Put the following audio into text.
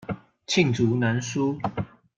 罄竹難書